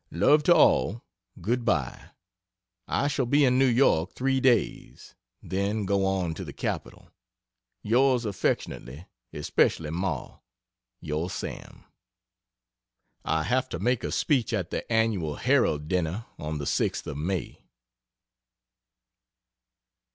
Love to all good bye. I shall be in New York 3 days then go on to the Capital. Yrs affly, especially Ma., Yr SAM. I have to make a speech at the annual Herald dinner on the 6th of May.